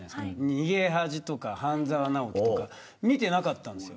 逃げ恥とか、半沢直樹とか見てなかったんですよ。